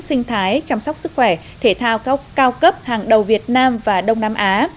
sinh thái chăm sóc sức khỏe thể thao cao cấp hàng đầu việt nam và đông nam á